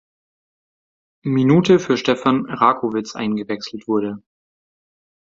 Minute für Stefan Rakowitz eingewechselt wurde.